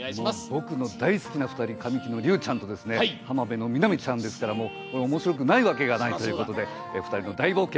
僕の大好きな２人神木の隆之介君と浜辺の美波ちゃんですからもう、おもしろくないわけがないということで、２人の大冒険